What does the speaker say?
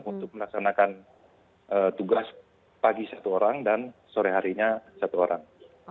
untuk melaksanakan tugas pagi satu orang dan sore harinya satu orang